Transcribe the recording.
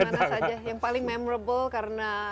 mana saja yang paling memorable karena